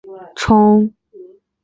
充分发挥主观能动性